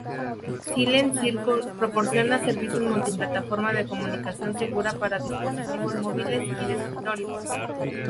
Silent Circle proporciona servicios multiplataforma de comunicación segura para dispositivos móviles y de escritorio.